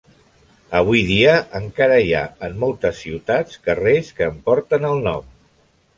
Avui dia encara hi ha, en moltes ciutats, carrers que en porten el nom.